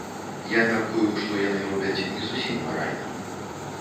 Я мяркую, што яны робяць не зусім маральна.